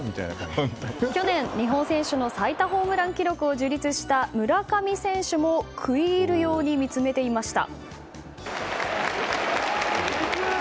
去年、日本選手の最多ホームラン記録を樹立した村上選手も食い入るように見つめていました。